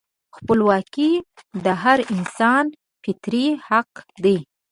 خپلواکي د هر انسان فطري حق دی.